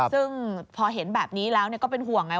ซึ่งพอเห็นแบบนี้แล้วก็เป็นห่วงไง